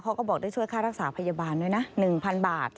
เขาก็บอกได้ช่วยค่ารักษาพยาบาลด้วยนะ๑๐๐บาท